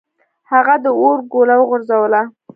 هغه د اور ګوله وغورځوله.